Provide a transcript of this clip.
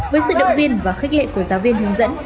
với sự động viên và khích lệ của giáo viên hướng dẫn